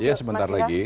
ya sebentar lagi